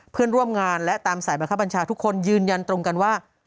เพื่อนร่วมงานและตามสายบังคับบัญชาทุกคนยืนยันตรงกันว่า